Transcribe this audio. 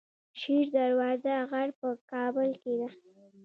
شیر دروازه غر په کابل کې دی